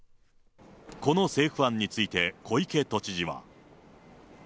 この政府案について、小池都知事は。